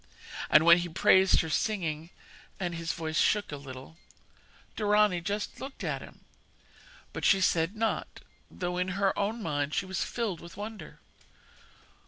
And when he praised her singing and his voice shook a little Dorani just looked at him; but she said naught, though, in her own mind, she was filled with wonder.